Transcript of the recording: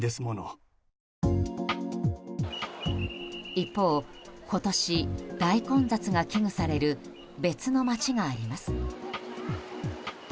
一方、今年大混雑が危惧される別の街があります。